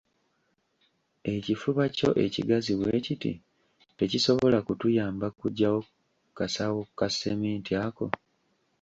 Ekifuba kyo ekigazi bwe kiti tekisobola kutuyamba kuggyawo kasawo ka seminti ako.